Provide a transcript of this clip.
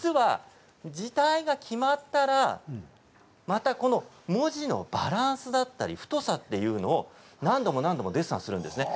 字体が決まったら文字のバランスだったり太さというのを何度もデッサンするんですね。